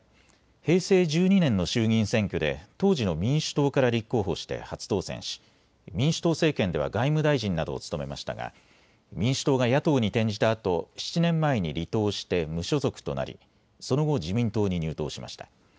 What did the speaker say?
平成１２年の衆議院選挙で当時の民主党から立候補して初当選し民主党政権では外務大臣などを務めましたが民主党が野党に転じたあと７年前に離党して無所属となりその後、自民党に入党しました。